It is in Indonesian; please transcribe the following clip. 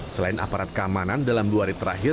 selain aparat keamanan dalam dua hari terakhir